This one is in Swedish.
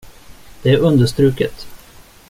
Det är understruket.